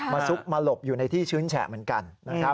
มาสุกมาหลบอยู่ในที่ชื้นแฉะเหมือนกัน